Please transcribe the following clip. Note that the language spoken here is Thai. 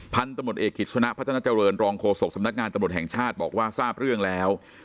พันธุ์ตำรวจเอกกิจสนะพัฒนาเจริญรองโฆษกสำนักงานตำรวจแห่งชาติบอกว่าทราบเรื่องแล้ว